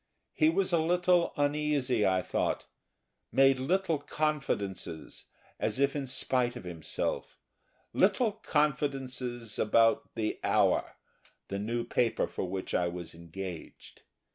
He was a little uneasy, I thought, made little confidences as if in spite of himself; little confidences about the Hour, the new paper for which I was engaged.